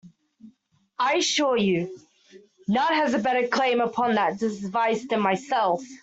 I assure you, none has a better claim upon that device than myself.